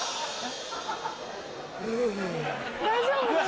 大丈夫か？